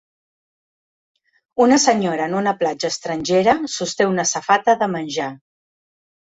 Una senyora en una platja estrangera sosté una safata de menjar.